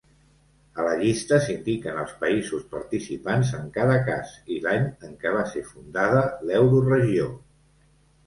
A la llista s'indiquen els països participants en cada cas i l'any en què va ser fundada l'euroregió.